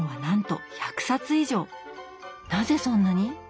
なぜそんなに？